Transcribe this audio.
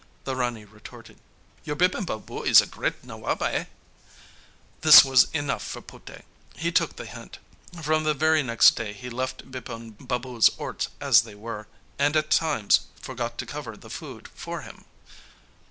The Rani retorted: 'Your Bipin Babu is a great Nawab, eh?' This was enough for Puté. He took the hint. From the very next day he left Bipin Babu's orts as they were, and at times forgot to cover the food for him.